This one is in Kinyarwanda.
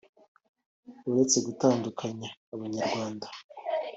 uretse gutandukanya abanyarwanda